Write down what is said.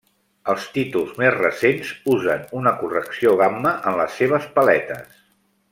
Els títols més recents usen una correcció gamma en les seves paletes.